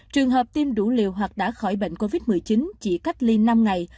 trường hợp tiêm đủ liều hoặc đã khỏi bệnh covid một mươi chín chỉ cách ly năm ngày